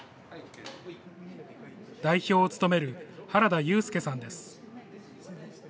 代表を務める原田祐介さんです。